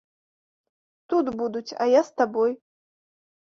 Тут будуць, а я з табой.